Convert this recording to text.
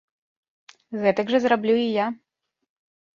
Гэтак жа зраблю і я!